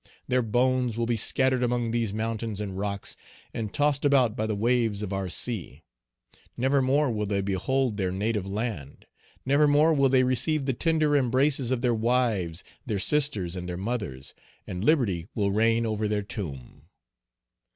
Their bones will be scattered among these mountains and rocks, and tossed about by the waves of our sea. Never more will they behold their native land; never more will they receive the tender embraces of their wives, their sisters, and their mothers; and liberty will reign over their tomb."